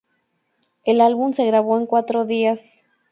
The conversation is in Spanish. El álbum se grabó en cuatro días.